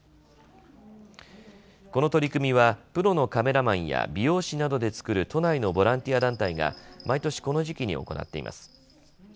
この取り組みはプロのカメラマンや美容師などで作る都内のボランティア団体が毎年この時期に行っています。